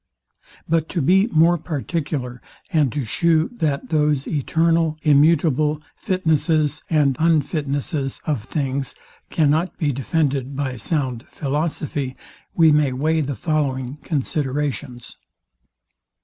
But to be more particular, and to shew, that those eternal immutable fitnesses and unfitnesses of things cannot be defended by sound philosophy, we may weigh the following considerations.